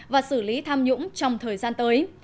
và xử lý tham nhũng trong thời gian tới